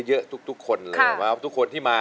จับมือประคองขอร้องอย่าได้เปลี่ยนไป